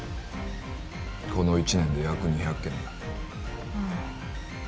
この１年で約２００件だああ